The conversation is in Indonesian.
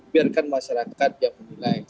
biarkan masyarakat yang memiliki